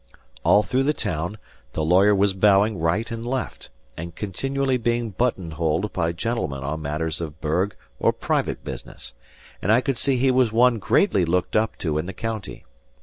All through the town, the lawyer was bowing right and left, and continually being button holed by gentlemen on matters of burgh or private business; and I could see he was one greatly looked up to in the county.